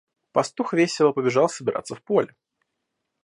Пастух весело побежал собираться в поле.